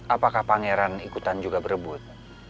apakah pangeran ikutan juga berebut